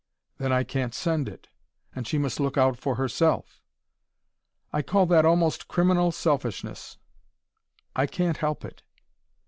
"Then I can't send it and she must look out for herself." "I call that almost criminal selfishness." "I can't help it."